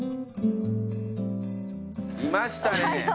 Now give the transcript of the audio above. いましたね。